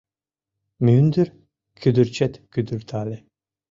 Мӱндыр кӱдырчет кӱдыртале